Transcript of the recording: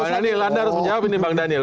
bang daniel anda harus menjawab ini bang daniel